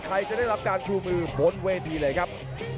จะได้รับการชูมือบนเวทีเลยครับ